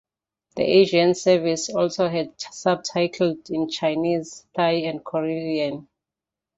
The Asian service also had subtitles in Chinese, Thai, and Korean.